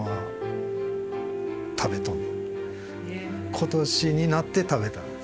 今年になって食べた。